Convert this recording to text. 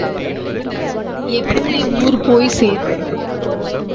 எப்படி ஊர்போய்ச் சேர்வது?